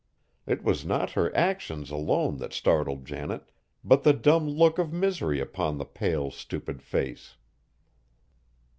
It was not her actions, alone, that startled Janet, but the dumb look of misery upon the pale, stupid face.